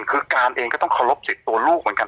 คือการเองก็ต้องเคารพสิทธิ์ตัวลูกเหมือนกัน